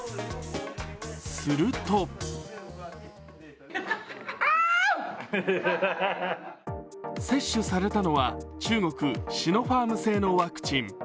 すると接種されたのは中国シノファーム製のワクチン。